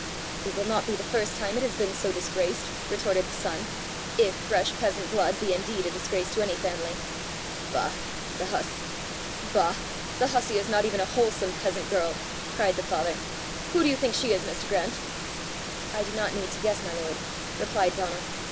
"It will not be the first time it has been so disgraced!" retorted the son, " if fresh peasant blood be indeed a disgrace to any family!" "Bah! the hussey is not even a wholesome peasant girl!" cried the father. "Who do you think she is, Mr. Grant?" "I do not need to guess, my lord," replied Donal.